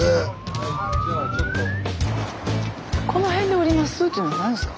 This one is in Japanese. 「この辺で降ります」っていうの何ですか？